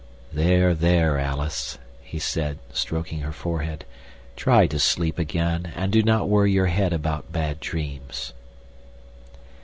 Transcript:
"There, there, Alice," he said, stroking her forehead, "try to sleep again, and do not worry your head about bad dreams."